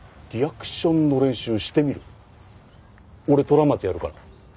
俺虎松やるから。